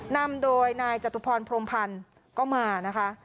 นำโดยนายจตุพรพรมพันธ์ก็มานะคะ